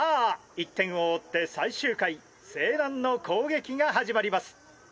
１点を追って最終回勢南の攻撃が始まります！